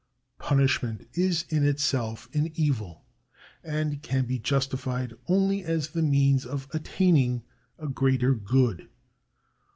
Punishment is in itself an evil, and can be justified only as the means of attaining a greater good.